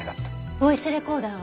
ボイスレコーダーは？